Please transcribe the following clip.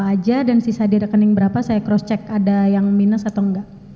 apa aja dan sisa di rekening berapa saya cross check ada yang minus atau enggak